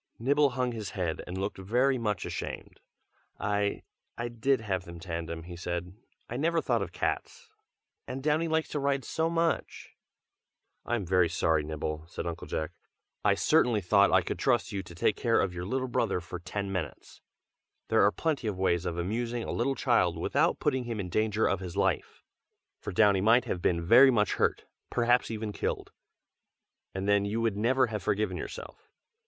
Nibble hung his head and looked very much ashamed. "I I did have them tandem," he said. "I never thought of cats, and Downy likes to ride so much!" "I am very sorry, Nibble!" said Uncle Jack, "I certainly thought I could trust you to take care of your little brother for ten minutes. There are plenty of ways of amusing a little child without putting him in danger of his life; for Downy might have been very much hurt, perhaps even killed, and then you would never have forgiven yourself.